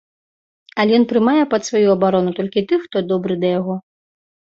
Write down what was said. Але ён прымае пад сваю абарону толькі тых, хто добры да яго.